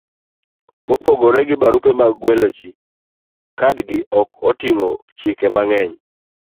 Mopogore gi barupe mag gwelo ji, kadgi ok oting'o chike mang'eny: